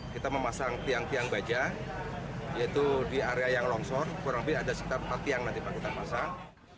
kita memasang tiang tiang baja yaitu di area yang longsor kurang lebih ada sekitar empat tiang nanti pak kita pasang